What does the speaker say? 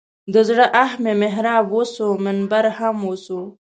د زړه آه مې محراب وسو منبر هم وسو.